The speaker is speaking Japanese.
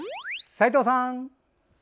齋藤さん！